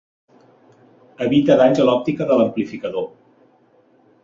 Evita danys a l'òptica de l'amplificador.